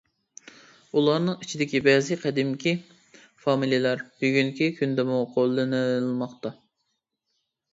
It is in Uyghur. ئۇلارنىڭ ئىچىدىكى بەزى قەدىمكى فامىلىلەر بۈگۈنكى كۈندىمۇ قوللىنىلماقتا.